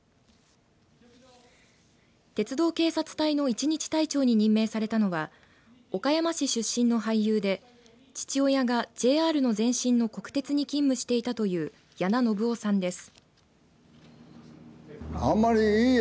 鉄道警察隊の一日隊長に任命されたのは岡山市出身の俳優で父親がＪＲの前身の国鉄に勤務していたという八名信夫さんです。